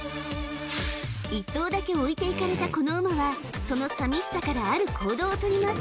１頭だけ置いていかれたこの馬はその寂しさからある行動を取ります